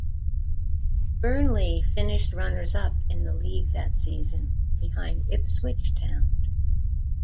Burnley finished runners-up in the league that season, behind Ipswich Town.